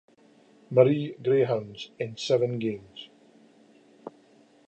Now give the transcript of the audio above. Marie Greyhounds in seven games.